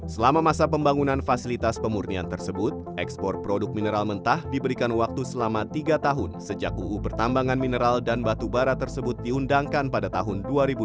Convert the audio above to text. selama masa pembangunan fasilitas pemurnian tersebut ekspor produk mineral mentah diberikan waktu selama tiga tahun sejak uu pertambangan mineral dan batu bara tersebut diundangkan pada tahun dua ribu dua puluh